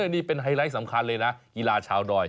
นี่เป็นไฮไลท์สำคัญเลยนะกีฬาชาวดอย